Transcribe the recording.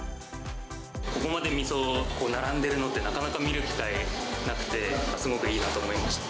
ここまでみそが並んでるのってなかなか見る機会がなくて、すごくいいなと思いました。